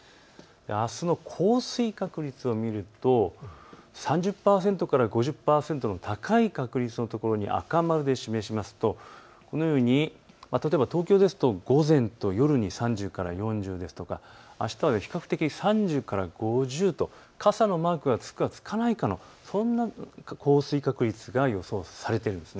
あすの降水確率を見ると３０％から５０％の高い確率の予想の所に赤丸を示しますと、このように東京ですと午前と夜に３０から４０ですとかあしたは比較的３０から５０と傘のマークがつくかつかないかのそんな降水確率が予想されているんです。